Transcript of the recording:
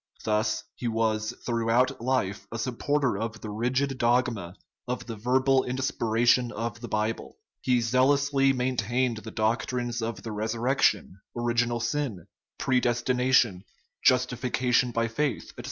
Thus he was throughout life a supporter of the rigid dogma of the verbal inspi ration of the Bible; he zealously maintained the doc trines of the resurrection, original sin, predestination, justification by faith, etc.